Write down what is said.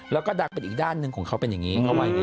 แล้วก็ดังเป็นอีกด้านหนึ่งของเขาเป็นอย่างงี้